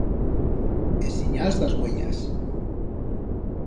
Es sinyals d'as uellas.